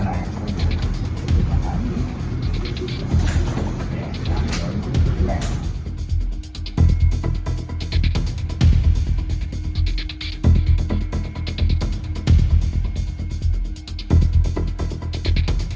ไม่ตามความทรัพย์ที่กินก่อนเนอะ